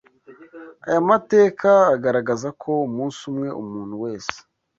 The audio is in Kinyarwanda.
Aya mateka agaragaza ko umunsi umwe umuntu wese